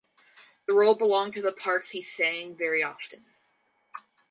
The role belonged to the parts he sang very often.